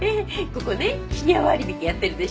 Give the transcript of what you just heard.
ここねシニア割引やってるでしょ？